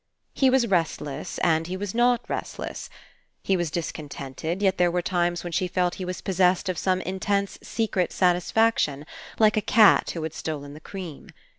He was restless and he was not restless. He was discontented, yet there were times when she felt he was possessed of some intense secret satisfaction, like a cat who had stolen the cream.